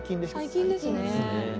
最近ですね。